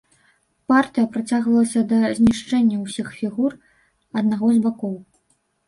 Партыя працягвалася да знішчэння ўсіх фігур аднаго з бакоў.